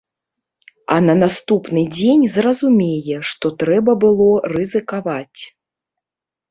А на наступны дзень зразумее, што трэба было рызыкаваць!